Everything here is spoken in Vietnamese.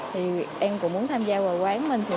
thì em cũng muốn tham gia vào quán mình